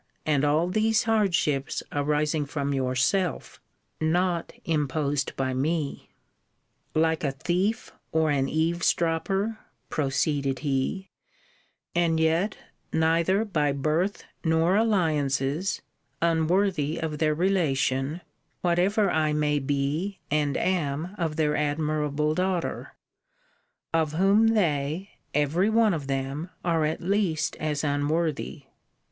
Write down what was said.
* and all these hardships arising from yourself, not imposed by me. * See Letter VI. of this volume. Like a thief, or an eaves dropper, proceeded he: and yet neither by birth nor alliances unworthy of their relation, whatever I may be and am of their admirable daughter: of whom they, every one of them, are at least as unworthy!